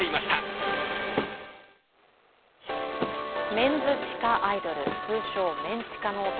メンズ地下アイドル、通称・メン地下の男